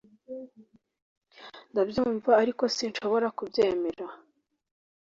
Ndabyumva ariko sinshobora kubyemera